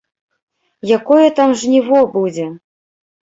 Якое там жніво будзе!